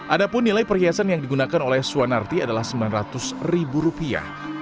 ada pun nilai perhiasan yang digunakan oleh suwanarti adalah sembilan ratus ribu rupiah